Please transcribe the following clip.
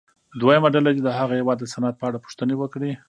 دویمه ډله دې د هغه هېواد د صنعت په اړه پوښتنې وکړي.